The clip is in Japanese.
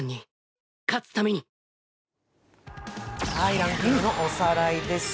ランキングのおさらいです。